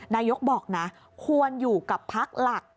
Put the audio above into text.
นายกบอกนะควรอยู่กับพักหลัก